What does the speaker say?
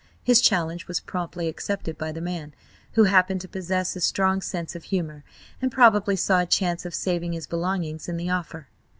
His challenge was promptly accepted by the man, who happened to possess a strong sense of humour, and probably saw a chance of saving his belongings in the offer.